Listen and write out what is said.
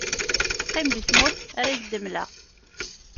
qqim di tmurt ara k-d-mmleɣ.